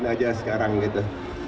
ngapain aja sekarang gitu